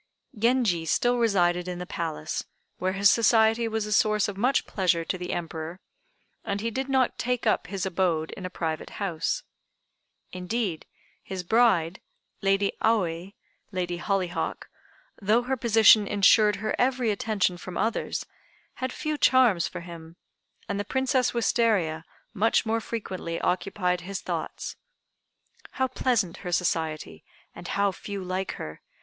Genji still resided in the palace, where his society was a source of much pleasure to the Emperor, and he did not take up his abode in a private house. Indeed, his bride, Lady Aoi (Lady Hollyhock), though her position insured her every attention from others, had few charms for him, and the Princess Wistaria much more frequently occupied his thoughts. "How pleasant her society, and how few like her!"